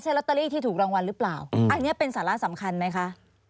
ลอตเตอรี่ที่ถูกรางวัลหรือเปล่าอันนี้เป็นสาระสำคัญไหมคะ